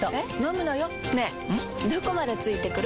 どこまで付いてくる？